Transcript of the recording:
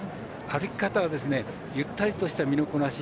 歩き方はゆったりとした身のこなし。